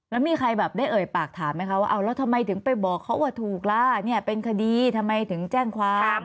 แล้วมีใครแบบได้เอ่ยปากถามไหมคะว่าเอาแล้วทำไมถึงไปบอกเขาว่าถูกล่ะเนี่ยเป็นคดีทำไมถึงแจ้งความ